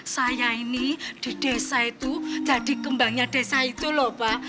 saya ini di desa itu jadi kembangnya desa itu lho pak